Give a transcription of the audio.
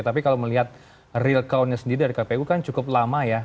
tapi kalau melihat real countnya sendiri dari kpu kan cukup lama ya